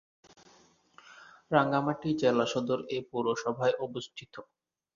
রাঙ্গামাটি জেলা সদর এ পৌরসভায় অবস্থিত।